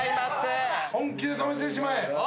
本気で止めてしまえ。